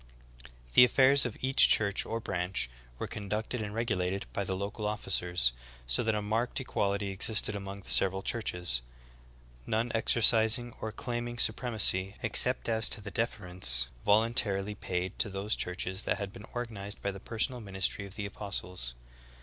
The affairs of each church or braiich were con ducted and regulated by the local officers, so that a marked equality existed among the several churches, none exercis ing or claiming supremacy except as to the deference vol untarily paid to those churches that had been organized by the personal ministry of the apostles.